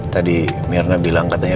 tadi mirna bilang katanya